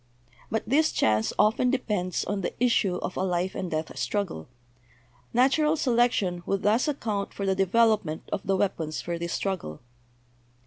But this chance often depends' on the issue of a life and death struggle. Natural selec tion would thus account for the development of the weap ons for this struggle.